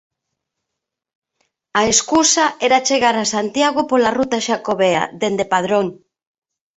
A escusa era chegar a Santiago pola ruta xacobea dende Padrón.